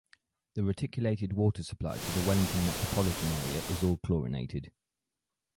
The reticulated water supply to the Wellington metropolitan area is all chlorinated.